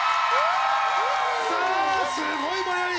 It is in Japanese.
さあすごい盛り上がり！